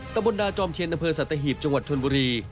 ตะบนดาจอมเทียนอำเภอสัตหีบจังหวัดชนบุรี